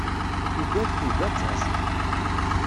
Tuggad tugi ad taẓ.